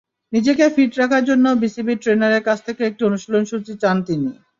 নিজেকে ফিট রাখার জন্য বিসিবির ট্রেনারের কাছ থেকে একটি অনুশীলনসূচি চান তিনি।